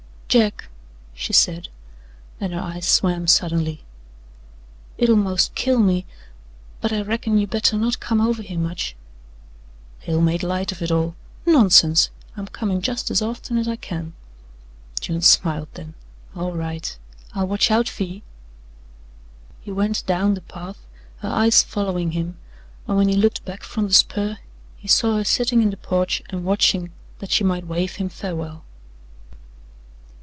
"Jack," she said, and her eyes swam suddenly, "it'll most kill me but I reckon you better not come over here much." Hale made light of it all. "Nonsense, I'm coming just as often as I can." June smiled then. "All right. I'll watch out fer ye." He went down the path, her eyes following him, and when he looked back from the spur he saw her sitting in the porch and watching that she might wave him farewell.